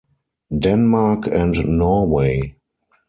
Denmark and Norway.